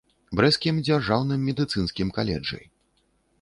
Брэсцкім дзяржаўным медыцынскім каледжы.